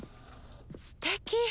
すてき。